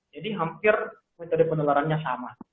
jadi hampir metode penularannya sama